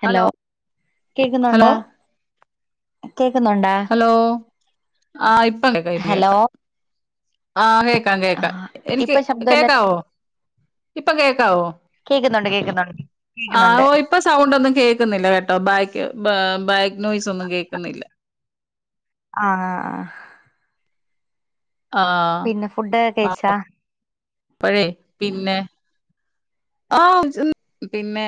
Hello hello കേക്കുന്നൊണ്ടാ കേക്കുന്നൊണ്ടേ ആഹ് ഇ ഇപ്പ കേക്കാം ഇപ്പ കേക്കാം ആ കേ കേൾക്കാം ആ കേൾക്കാം എനിക്ക് ഇപ്പൊ ശബ്ദമില്ലല്ലോ കേൾക്കാവോ ഇപ്പൊ കേൾക്കാവോ കേക്കുന്നുണ്ട് കേക്കുന്നുണ്ട് ആ കേക്കുന്നുണ്ട് ഓ ഇപ്പൊ സൗണ്ട് ഒന്നും കേൾക്കുന്നില്ല കേട്ടോ ബാക്ക് ബ ബാക്നോയിസൊന്നും കേൾക്കുന്നില്ല ആ ആ ആ ആ പിന്നെ ഫുഡുക്കെ കഴിച്ചേ പ്പഴേ പിന്നെ ആ പിന്നെ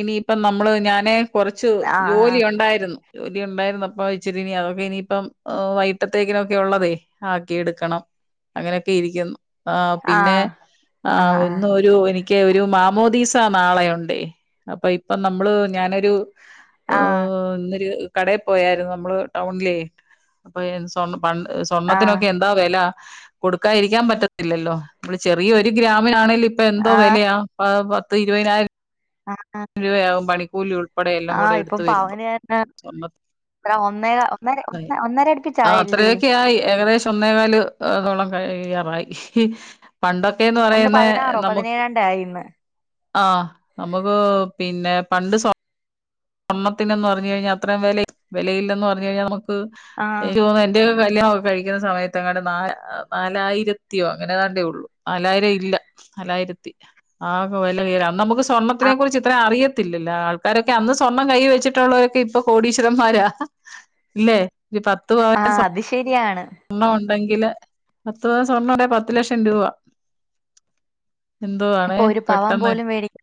ഇനിയിപ്പ നമ്മള് ഞാന് കുറച്ച് ആ ജോലി ഉണ്ടായിരുന്നു ജോലി ഉണ്ടായിരുന്നപ്പ ഇച്ചിരി ഇനി അതൊക്കെ ഇനിയിപ്പം വൈകിട്ടത്തേക്കിനൊക്കെ ഉള്ളതെ ആക്കി എടുക്കണം അങ്ങനെയൊക്കെയിരിക്കുന്നു ആ പിന്നെ ആ ഇന്നൊരു എനിക്ക് ക്കെ ഒരു മാമോദീസ നാളെയുണ്ടേ അപ്പൊ ഇപ്പം നമ്മള് ഞാനൊരു ഓ ആ ഇന്നൊരു കടയിൽ പോയായിരുന്നു നമ്മള് ടൗണിലേ അപ്പൊ സ്വർണം പണ്ട് സ്വർണത്തിനൊക്കെ എന്താ വില കൊടുക്കായിരിക്കാൻ പറ്റത്തില്ലല്ലോ മ്മള് ചെറിയ ഒരു ഗ്രാമിനാണേലും ഇപ്പെ ന്തോ ആ ആ വെലയാ ആ പത്തൊ ത്ത് ഇരുപതിനായിരം ആഹ് രൂപയാവും പണി കൂലി കൊട് [unintelligible] എല്ലാം കൂടെ ഇപ്പം എടുത്ത് വരുമ്പോ പവന് എത്ര ഒന്നേ ഒന്നര ഒന്നര അടുപ്പിച്ചായല്ലേ അത്രയൊക്കെ ആയി ഏകദേശം ഒന്നേകാല് തൊട കഴിയാറായി പണ്ടൊക്കേന്ന് ഒന്ന് പറയുന്ന പതിനാറോ നമുക്ക് പതിനേഴാണ്ടോ ആയിന്ന് ആ നമു പ് പിന്നെ പണ്ട് സ്വർ ണ്ണത്തിന് എന്ന്പറഞ്ഞ് കഴിഞ്ഞാ അത്ര വില വിലയില്ല എന്ന് പറഞ്ഞ് കഴിഞ്ഞാൽ നമുക്ക് ആ ക്ക് എനിയ്ക്ക് തോന്ന എന്റെ കല്യാണൊക്കെ കഴിക്കുന്ന സമയത്ത്ങ്ങാണ്ട് നാലാ നാലായിരത്തിയോ അങ്ങനേതാണ്ടെ യുള്ളൂ നാലായിരം ഇല്ല നാലായിരത്തി ആകെ വെല ഉയരാൻ അന്ന് നമുക്ക് സ്കൂ ആ സ്വർണത്തിനെകുറിച്ച് ഇത്ര അറിയത്ത് ത്തിലല്ല. ആൾക്കാരൊക്കെ അന്ന് സ്വർണ്ണം കൈയ്യി വെച്ചിട്ടുള്ളവരൊക്കെ ഇപ്പൊ കോടീശ്വരന്മാരാ ഇല്ലെ ര് പത്ത് ആ പവൻ്റെ സ്വരണ്ണം അത് ശരിയാണ് സ്വർണം ഉണ്ടെങ്കില് പത്ത് പവൻ സ്വർണം ഉണ്ടെങ്കില് പത്തു ലക്ഷം രൂപ എന്തുവാണേ ഇപ്പൊ ഒരു പവൻ പെട്ടെന്ന് പോലും മേടിക്ക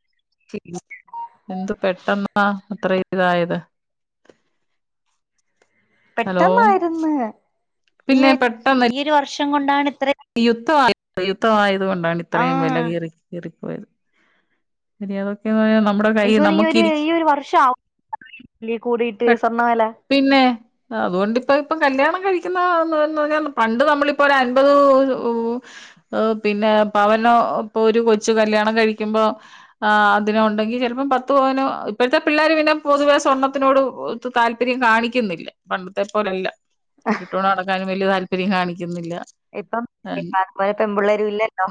എന്തു പെട്ടെന്നാ അത്രയും ഇതായത് ഹലോ പെട്ടെന്നായിര്ന്ന് ഈ ഒര് ഈ ഒരു വർഷം ർഷം കൊണ്ടാണ് ഇത്ര യുദ്ധവാ യുദ്ധവായത് കൊണ്ടാണ് ആ ഇത്രയും വെല കേറി കേറി പോയത് [unintelligible] എനിക്ക് തോന്ന്ന്ന് ഈ ഒരു ഈ ഒരു വർഷം ആ [inaudible] കൂടിയിട്ട് സ്വർണ്ണ വെല അത് കൊണ്ട് ഇപ്പൊ ഇപ്പം കല്യാണം കഴിക്കുന്ന ആൾനുന്ന്ന്ന് പണ്ട് നമ്മളിപ്പൊ ഒരു അൻപതു ത് ഊ പിന്നെ പവനോ ഇപ്പൊ ഒരു കൊച്ച് കല്യാണം കഴിക്കുമ്പോ ആ അതിനോ ഉണ്ടെങ്കി ചിലപ്പോ പത്ത് പവനോ ഇപ്പത്തെ പിള്ളേർ പിന്നെ പൊതുവേ സ്വർണത്തിനോട് താല്പര്യം കാണിക്കുന്നില്ല പണ്ടത്തെ പോലെ അല്ല ഉരുട്ടോണ്ട് നടക്കാനും വല്ല്യ താൽ പര്യം കാണി ക്കുന്നില്ല ഇപ്പം ഇപ്പം അതുപോലെ പെമ്പിള്ളേരും ഇല്ലല്ലോ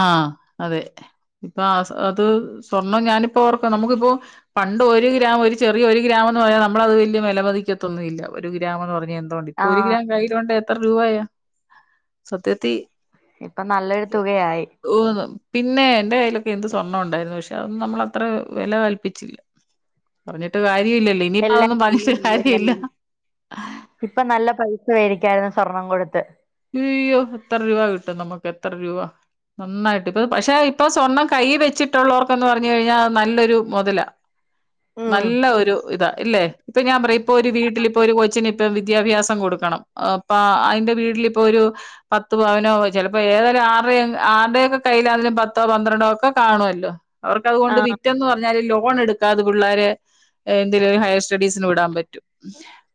ആഹ് അതെ ഇപ്പൊ ആ അത് സ്വർണം ഞാനിപ്പോ ഓർക്ക നമുക്കിപ്പോ പണ്ട് ഒരു ഗ്രാമ് ഒരു ചെറിയ ഒരു ഗ്രാമ് എന്ന് പറയുന്നത് നമ്മളത് വല്ല്യ വെല മതിക്കത്തൊന്നും ഇല്ല ഒരു ഗ്രാമ് എന്ന് പറഞ് ത്തോണ്ടി ഒര് ആഹ് ഗ്രാം കയ്യിലുണ്ടെ എത്ര രൂപായാ? സത്യത്തി ഇപ്പം നല്ലൊര് തുകയായി. ഓഹ് പിന്നെ എന്റെ കയ്യിലൊക്കെ എന്ത് സ്വർണം ഉണ്ടായിരുന്നു പക്ഷെ അതൊന്നും നമ്മൾ അത്ര വെല കൽപ്പിച്ചില്ല പറഞ്ഞിട്ട് കാര്യ എല്ല [unintelligible] ഇപ്പം നല്ല പൈസ വേടിക്കായിരുന്നു. സ്വർണം കൊടുത്ത്. ഇയ്യോ എത്ര രൂപാ കിട്ടും നമുക്ക് എത്ര രൂപാ നന്നായിട്ട് ഇപ്പം പക്ഷെ ഇപ്പം സ്വർണ്ണം കയ്യി വെച്ചിട്ടുള്ളോർക്കെന്ന് പറഞ്ഞ് കഴിഞ്ഞാ നല്ലൊരു മൊതലാ ഉം നല്ല ഒരു ഇതാ ഇല്ലേ ഇപ്പൊ ഞാൻ പറയാ ഇപ്പൊ ഒരു വീട്ടിലിപ്പൊ ഒരു കൊച്ചിന് ഇപ്പം വിദ്യാഭ്യാസം കൊട് ക്കെണം അപ്പ അയിന്റെ വീട്ടി ഇപ്പൊ ഒരു പത്ത് പവനോ ചിലപ്പോ ഏതൊരു ആറി ആര്ടെ ഒക്കെ കയ്യിയിലായെലും പത്തോ പന്ത്രണ്ടോ ഒക്കെ കാണുവെല്ലോ? അവർക്ക് അതുകൊണ്ട് ആഹ് വിറ്റെന്ന് പറഞ്ഞാലും ലോ ലോൺ എടുക്കാതെ പുള്ളേരെ എന്തിലെലും ഹയെർ സ്റ്റഡീസിന് വിടാൻ പറ്റും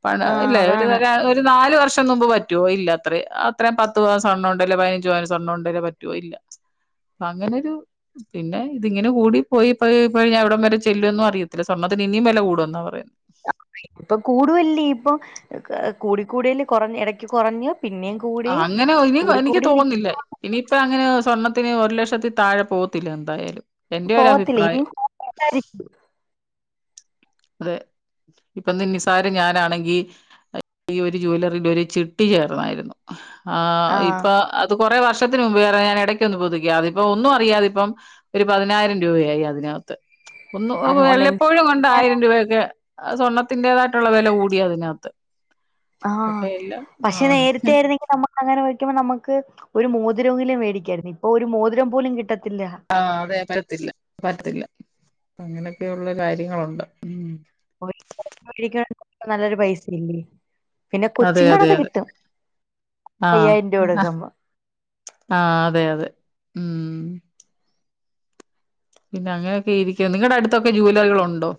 പണം ആഹ് ഇല്ലെ? ഒര് അതാണ് വെരാ ഒര് നാല് വർ ഷം മുമ്പ് പറ്റോ ഇല്ലാ അത്രിം അത്രേം പത്ത് പവൻ സ്വർണ്ണോണ്ടല്ലേ പതിനഞ്ച് പവൻ സ്വർണ്ണോണ്ടല്ലേ പറ്റുവോ ഇല്ല അങ്ങനൊരു പിന്നെ ഇതിങ്ങനെ കൂടി പോയി പോയിപ്പോയി അവിടം വരെ ചെല്ലുവൊന്നും അറിയത്തില്ല സ്വർണ്ണത്തിന് ഇനിയും വെല കൂടുവെന്നാ പറയുന്നെ ഇപ്പം കൂടുവല്ലേ ഇപ്പം കൂടിക്കൂടിയല്ലേ കൊറഞ് എടക്ക് കൊറഞ് അങ്ങനെ [unintelligible] ഇനി എനിക്ക് ഇരിക്കും തോന്നുന്നില്ല ഇനിയിപ്പ അങ്ങനെ സ്വർണ ത്തിന് ഒരു ലക്ഷത്തി താഴെ പോവത്തില്ല എന്തായാലും എന്റെ പോവത്തില്ല ഇനി ഒരഭിപ്രായം [unintelligible] അതെ ഇപ്പം ഇന്ന് ഈ നിസാരി ഞാനാണെങ്കി ഈ ഒര് ജ്വല്ലെറി ഒര് ചിട്ടി ചേർന്നായിരുന്നു. ആഹ് ഇപ്പ അതു കൊറെ വർഷത്തിന് മുമ്പ് വേറെ ഞാൻ എടയ്ക്കൊന്ന് പുതിക്കി അതിപ്പൊ ഒന്നും അറിയാതിപ്പം ഒരു പതിനായിരം രൂപയായി അതിനകത്ത് ഒന്ന് എ അതുകൊണ്ട് വല്ലപ്പോഴും എന്ത് ഒണ്ടായി സ്വർണത്തിന്റേതായിട്ടുള്ള വില കൂടി അതിനകത്ത് ആഹ് അപ്പൊ എല്ലാം പക്ഷെ ആഹ് നേരത്തെ ആയിരുന്നെങ്കിൽ നമ്മ അങ്ങനെ വെക്കുമ്പോ നമക്ക് ഒരു മോതിരോങ്കിലും മേടിക്കായിരുന്നു ഇപ്പൊ ഒരു മോതിരം പോലും കിട്ട ആഹ് അതെ പരത്തില്ല പറ്റത്തില്ല അങ്ങനെയൊക്കെയുള്ള കാര്യങ്ങളുണ്ട് ഉം [unintelligible] നല്ലൊരു പൈസ ഇല്ലേ പിന്നെ അതെ കൊച്ചിങ്ങടെ അതെ ഒക്കെ അതെ കിട്ടും ആഹ് അയ്യായിരം രൂപേടക്കവുമ്പോ ആഹ് അതെ അതെ ഉം പിന്നെ അങ്ങനെയൊക്കെ ഇരിക്ക നിങ്ങളുടെ അടുത്തൊക്കെ ജുവലറികളുണ്ടോ?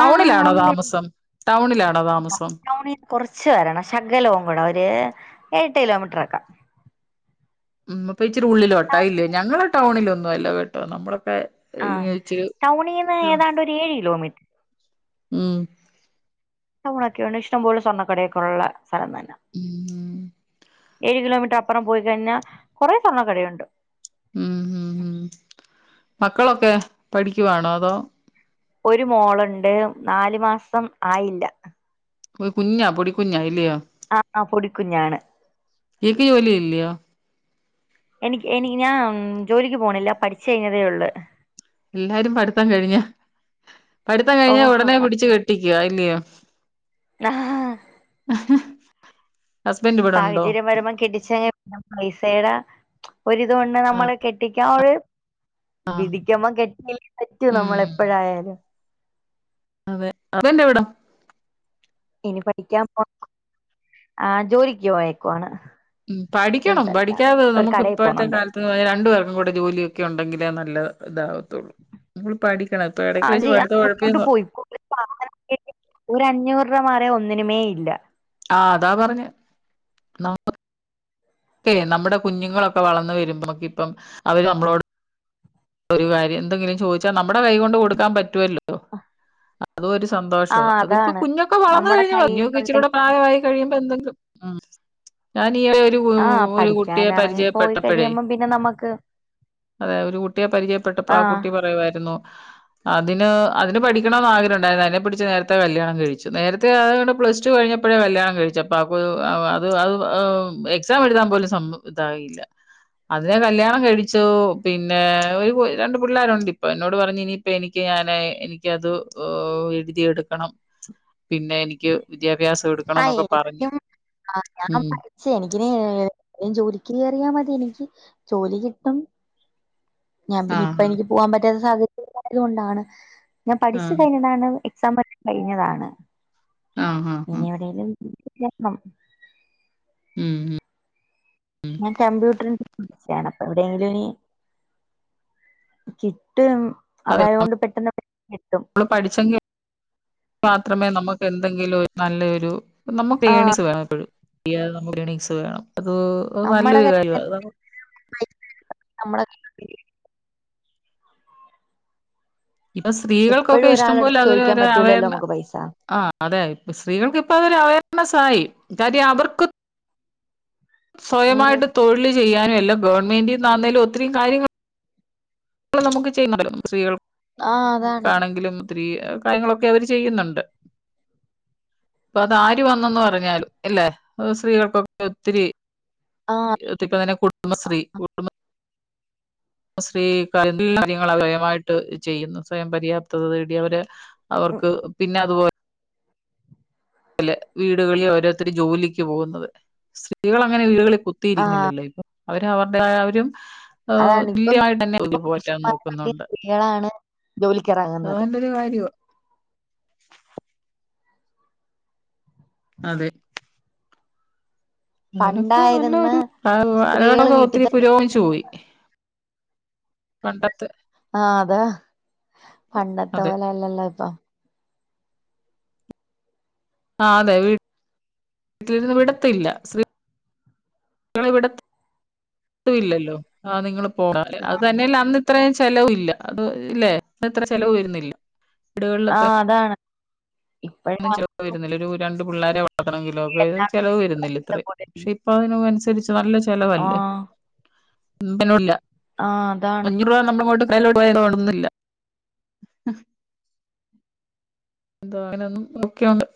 ആ ഉണ്ട് ടൗണിലാണോ താമസം ടൗണിന്ന് കൊറച്ച് വരണം ശകലം അങ്ങട് ഒരു എട്ട് കിലോമീറ്റർ [unintelligible] [unintelligible] ഇപ്പോ ഇച്ചിരി ഉള്ളിലോട്ടാ ഇല്ല്യ ഞങ്ങളെ ടൗണിലൊ വായ്‌ല കെട്ടോ നമ്മളെ ആ ടൗ ണീന്ന് ടൗൺ. ഏതാണ്ട് ഒരു ഏഴ് കിലോമീ ഉം ടൗണൊക്കെയുണ്ട് ഇഷ്ടം പോലെ സ്വർണ്ണക്കടയെക്കെ ഉള്ളെ സലം തന്നാ ഉം ഏഴ് കിലോമീറ്റർ അപ്പറം പോയി കഴിഞ്ഞാ കൊറേ സ്വർണ്ണ കടയുണ്ട് ഉം ഉം ഉം മക്കളൊക്കെ പഠിക്കുവാണോ അതോ ഒരു മോളുണ്ട് നാലു മാസം ആയില്ല ഒരു കുഞ്ഞാ പൊടിക്കുഞ്ഞാ അല്ല്യോ ആഹ് പൊടിക്കുഞ്ഞാണ് ഈക്ക് ജോലി ഇല്ല്യോ എനിക്ക് എനി ഞാൻ ജോലിക്ക് പോണില്ല പഠിച്ച് കഴിഞ്ഞതേ ഉള്ളു എല്ലാരും പഠിത്തം കഴിഞ്ഞ പഠിത്തം കഴിഞ്ഞാ ഓഹോ ഉടനെ പിടിച്ചു കെട്ടി ക്ക്യാ ഇല്ല്യോ നഹ് ഹാ ഹസ്ബൻഡ് ഇവിടെ ഉണ്ടോ സാഹചര്യം വരുമ്പം കെട്ടിച്ചങ്ങ് [unintelligible] സേടാ ഒരിതുകൊണ്ട് ആഹ് നമ്മള് കെട്ടിക്കാൻ ഒരു ആഹ് വിധിക്കുമ്പം കെട്ടിയല്ലേ പറ്റൂ നമ്മളെപ്പഴായാലും അവ അവന്തവിടം ഇനി പഠിക്കാൻ പോ ആ ജോലിക്ക് പോയക്കുവാണ് ഉം പഠിക്കണം പഠിക്കാതെ നമുക്ക് കടയിൽ ഇപ്പോഴത്തെ പോണുണ്ട് കാലത്ത് രണ്ടു പേർക്കും കൂടെ ജോലിയൊക്കെ ഉണ്ടെങ്കിലെ നല്ല ഇതാവു [unintelligible] പഠിത്തം ഉഴപ്പിയെന്ന് ഒരഞ്ഞൂറ് രൂപ മാറിയ ഒന്നിന മേ ഇല്ല ആഅതാ പറഞ്ഞേ [unintelligible] നമ്മുടെ കുഞ്ഞുങ്ങളൊക്കെ വളർന്ന് വരുമ്പോ ഇപ്പം അവര് നമ്മളോട് ഒരു കാര്യം ന്തെങ്കിലും ചോദിച്ചാ നമ്മുടെ കൈ കൊണ്ട് കൊടുക്കാൻ പറ്റുവല്ലോ [inaudible] അതു ഒരു ആ സന്തോഷവ അതിപ്പ അതാണ് കുഞ്ഞൊക്കെ വളന്നു നമ്മുടെ കഴിഞ്ഞ് ഞുക്ക് ഇച്ചിരൂട കയ്യിലുണ്ടെങ്കിൽ പ്രായവായി കഴിയുമ്പോന്തെ എന്തെിലും ഉം ഞാൻ ട്ടിയെ ആ ഒരു പഠിക്കാൻ കുട്ടിയെ ഇറങ്ങി പോയി പരിചയപ്പെട്ടപ്പോഴേ കഴിയുമ്പം പിന്നെ നമുക്ക് അതെ ഒരു കു പരിചയപ്പെട്ടപ്പ ആ കുട്ടി പറയുവാ യിരുന്നു അതിന് അതിന് പഠിക്കണംന്ന് ആഗ്രഹം ണ്ടായിരുന്നു അതിനെ പിടിച്ച് നേരത്തെ കല്യാണം കഴിച്ചു നേരത്തെ അതൊണ്ട് പ്ലസ് ടു കഴിഞ്ഞപ്പോഴേ കല്യാണം കഴിച്ചു അപ്പ അത് അത്ഔ എക്സാം എഴുതാൻ പോലുംസമ്മ ഇതായില്ല അതിനെ കല്യാണം കഴിച്ചു പിന് പി ഒരു രണ്ട് പിള്ളേരുണ്ട് ഇപ്പൊ എന്നോട് പറഞ്ഞ് നീപ്പ എനിക്ക് ഞാന് എനിക്കത് എഴുതി എടുക്കണം പിന്നെ എനിക്ക് വിദ്യാഭ്യാസം എടുക്കണം ആഹ് എന്നൊക്കെ പറഞ്ഞു എനിക്കും ആ ഞാൻ ഉം. പഠിച്ച് എനിക്കിനി ജോലിക്ക് കേറിയാ മതി. എനിക്ക് ജോലി കിട് ട്ടും ഞാൻ ആ പിന്നിപ്പൊ എനിക്ക് പോവാൻ പ റ്റാത് സാഹചര്യായത്കൊണ്ടാണ് ഞാൻ ആ പഠിച്ചു കഴിഞ്ഞതാണ്. ഇപ് [unintelligible] കഴിഞ്ഞതാണ്. ആ ആ ആ ഉം ഇനി എവിടെലും [unintelligible] ഉം ഉം ഞ കമ്പ്യൂട്ടർ ച്ചാണ് അപ്പൊ എവിടേങ്കിലും ഇനി കി റ്റ്ലോ അതെ അതായോണ്ട് പെട്ടെന്ന് [unintelligible] ട്ടും നമ്മള് പഠിച്ചെങ്കിൽ മാത്രമേ നമുക്ക് എന്തെങ്കിലും രു നല്ലയൊരു നമ്മുക്ക് ആഹ് എണിങ്ങ്സ് വേണം എപ്പോഴും ലേണിങ്സ് വേണം അത് നമ്മടെ നല്ലൊരു കയ്യില് കാര്യമാണ് പൈസ നമ്മടെ കയ്യില് ഇപ്പൊ സ്ത്രീകൾക്കൊക്കെ എപ്പഴും ഇഷ്ടം ഒരാളടുത്ത് പോലെ ചോദിക്കാൻ പറ്റൂലല്ലോ [unintelligible] നമുക്ക് പൈസ ആ അതെ സ്ത്രീകൾക്ക് ഇപ്പ [unintelligible] മസായി കാര്യ അവർക്ക് ഉം സ്വയമായിട്ട് തൊഴില് ചെയ്യാനുലും എല്ലം ഗവൺമേന്റിന്നാന്നെലും ഒത്തിരി കാര്യങ്ങ പ്പളും നമുക്ക് ചെയ്യുന്നുണ്ടല്ലോ സ്ത്രീകൾ ആഹ് ക്ക അതാണ് ആണെങ്കിലും ത്തിരി എ കാര്യങ്ങളൊക്കെ അവര് ചെയ്യുന്നുണ്ട് അപ്പൊ അതാര് വന്നന്ന് പറഞ്ഞാലും അല്ലേ സ്ത്രീകൾക്കൊക്കെ ഒത്തിരി ആഹ് [unintelligible] തന്നെ കുടുംബശ്രീ കുടുംബ സ്ത്രീ ക [unintelligible] മായിട്ട് ചെയ്യുന്നു സ്വയം പര്യാപ്തത നേടി അവര് അവർക്ക് പിന്ന അതുപോലെ അതുപോലെ വീടുകളിൽ ഓരോത്തര് ജോലിക്ക് പോകുന്നത് സ്ത്രീകൾ അങ്ങനെ വീടുകളിൽ ആഹ് കുത്തിയിരിക്കുന്നില്ലല്ലോ ഇപ്പൊ അവര് അവരുടെയാ അവരും അതാണ് ഇപ്പം തുല്യായിട്ട് തന്നെ ഇപ്പൊ അവര് പോറ്റാൻ പുരുഷന്മാരെക്കാട്ടി നോക്കുന്നുണ്ട് സ്ത്രീകളാണ് അത് ജോലിക്കിറങ്ങുന്നത് നല്ലൊരു കാര്യവാ അതെ അങ്ങനൊക്കെ പണ്ടായിരുന്ന് നല്ലൊരു സ്ത്രീകള് കാലഘട്ടമൊക്കെ വീട്ടിൽ ഒത്തിരി തന്നെ പുരോഗമിച്ചു പോയി കണ്ടെത്ത് ആഹ് അതാ പണ്ടത്തെ അതെ പോല ല്ലല്ലോ ഇപ്പൊ ആ അതെ വീട്ടിലിന്ന് വിടത്തില്ല സ്ത്രീ [inaudible] കളെ വിടത്തുവില്ലല്ലോ ആ നിങ്ങളും പോ [inaudible] അത് തന്നെയല്ല അന്ന് അത്രയും ചെലവ് ഇല്ല അത് ഇല്ലേ ഇത്ര ചെലവ് വരുന്നില്ല ആഹ് അതാണ് അന്നും ഇപ്പോഴാണെങ്കി ചെറുപ്പാരുന്നില്ലേ ഒരു രണ്ടും പിള്ളേരെ വ [unintelligible] ത്തണം കിലോ പേരുടെ ചെലവ് വരുന്നില്ല ഇത്രേം എല്ലാവരും പക്ഷെ ഇപ്പ അതിനനുസരിച്ച് [inaudible] നല്ല ചെലവല്ലേ ആഹ് [unintelligible] ആഹ് അതാണ് അഞ്ഞൂറ് രൂപ നമ്മളങ്ങോട്ട് [unintelligible] ണുന്നില്ല ആഹ് എന്താ അങ്ങനെ ഒന്നും നോക്കിയോണ്ട്